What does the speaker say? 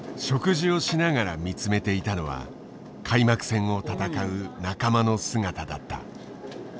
食事をしながら見つめていたのは開幕戦を戦う仲間の姿だった。